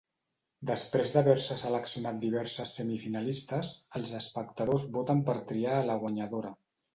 Després d'haver-se seleccionat diverses semifinalistes, els espectadors voten per triar a la guanyadora.